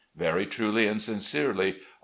... "Very truly and sincerely, "R.